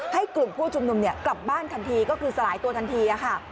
กลุ่มผู้ชุมนุมกลับบ้านทันทีก็คือสลายตัวทันทีค่ะ